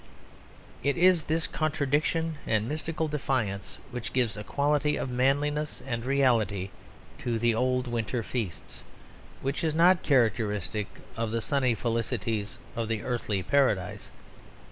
It is this contradiction and mystical defiance which gives a quality of manliness and reality to the old winter feasts which is not characteristic of the sunny felicities of the Earthly Paradise.